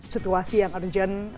situasi yang urgent